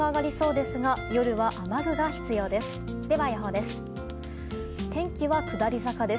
では予報です。